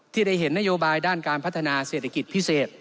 ได้เห็นนโยบายด้านการพัฒนาเศรษฐกิจพิเศษ